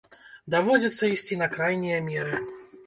Даводзіцца ісці на крайнія меры.